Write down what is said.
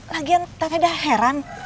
lagian teteh udah heran